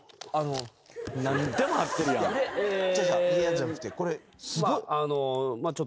じゃなくてこれすごい。